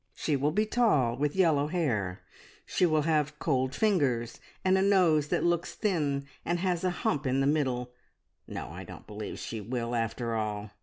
"She will be tall, with yellow hair. She will have cold fingers and a nose that looks thin and has a hump in the middle. No, I don't believe she will, after all.